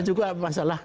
legal formal ya